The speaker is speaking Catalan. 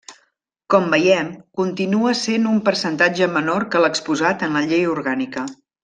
Com veiem, continua sent un percentatge menor que l'exposat en la Llei Orgànica.